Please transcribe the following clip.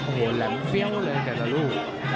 โอ้โหแหลมเฟี้ยวเลยแต่ละลูก